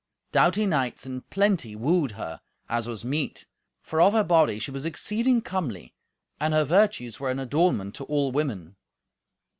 Doughty knights in plenty wooed her, as was meet, for of her body she was exceeding comely, and her virtues were an adornment to all women.